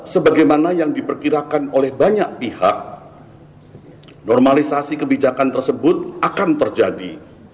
sebagaimana yang diperkirakan oleh banyak pihak normalisasi kebijakan tersebut akan terjadi